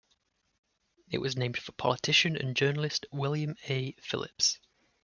It was named for politician and journalist William A. Phillips.